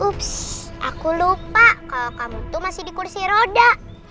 ups aku lupa kalo kamu tuh masih dikursi roda